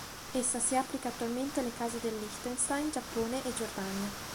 Essa si applica attualmente alle case del Liechtenstein, Giappone e Giordania.